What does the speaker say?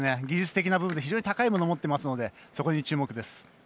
技術的な部分で、非常に高いものを持っていますのでそこに注目です。